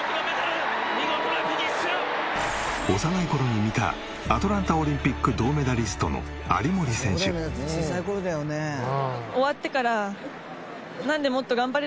幼い頃に見たアトランタオリンピック銅メダリストの有森選手。と思います。